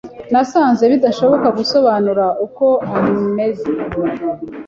Nasanze bidashoboka gusobanura uko ameze.